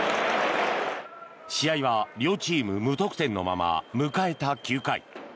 試合は両チーム無得点のまま迎えた９回。